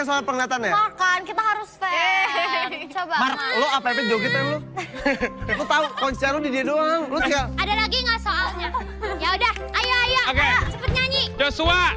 ada lagi nggak soalnya ya udah ayo nyanyi joshua